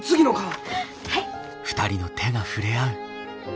はい。